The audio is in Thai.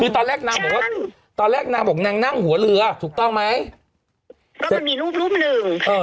คือตอนแรกนางบอกว่าตอนแรกนางบอกนางนั่งหัวเรือถูกต้องไหมก็จะมีรูปรูปหนึ่ง